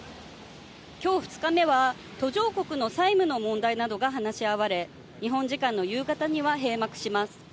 きょう２日目は途上国の債務の問題などが話し合われ、日本時間の夕方には閉幕します。